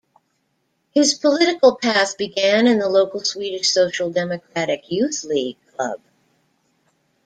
His political path began in the local Swedish Social Democratic Youth League club.